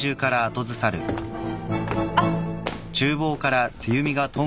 あっ！